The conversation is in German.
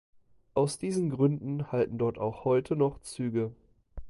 Aus diesen Gründen halten dort auch heute noch Züge.